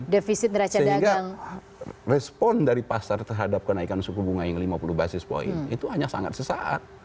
sehingga respon dari pasar terhadap kenaikan suku bunga yang lima puluh basis point itu hanya sangat sesaat